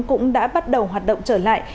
cũng đã bắt đầu hoạt động trở lại